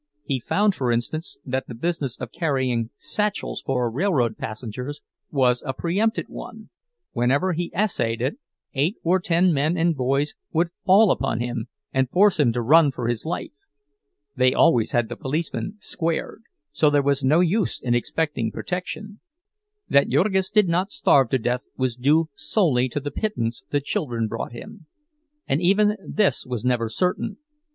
He found, for instance, that the business of carrying satchels for railroad passengers was a pre empted one—whenever he essayed it, eight or ten men and boys would fall upon him and force him to run for his life. They always had the policeman "squared," and so there was no use in expecting protection. That Jurgis did not starve to death was due solely to the pittance the children brought him. And even this was never certain.